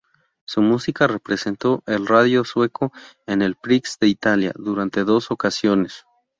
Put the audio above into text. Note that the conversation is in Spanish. Su música representó el radio sueco en el Prix de Italia durante dos ocasiones.